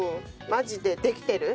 マジでできてる！